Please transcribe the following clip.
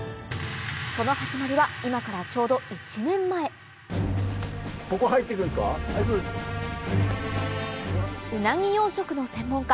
その始まりは今からちょうど１年前ウナギ養殖の専門家